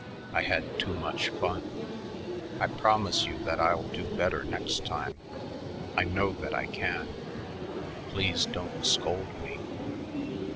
I had too much fun. I promise you that I'll do better next time. I know that I can. Please don't scold me.